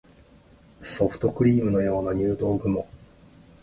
ソフトクリームのような入道雲